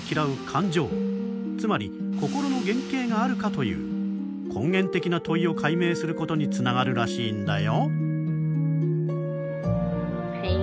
つまり心の原形があるかという根源的な問いを解明することにつながるらしいんだよ。